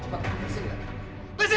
kau nggak mah